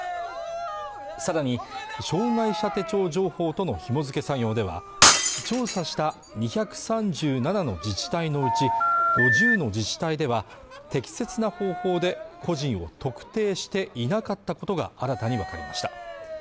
さらに障害者手帳情報とのひも付け作業では調査した２３７の自治体のうち５０の自治体では適切な方法で個人を特定していなかったことが新たに分かりました